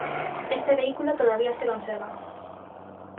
Este vehículo todavía se conserva.